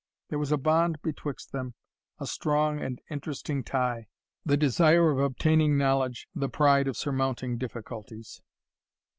There was a bond betwixt them, a strong and interesting tie, the desire of obtaining knowledge, the pride of surmounting difficulties.